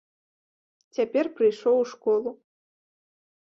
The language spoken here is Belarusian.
Цяпер прыйшоў у школу.